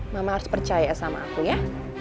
mama harus percaya sama aku ya